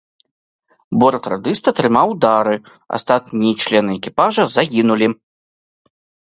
Бортрадыст атрымаў ўдары, астатнія члены экіпажа загінулі.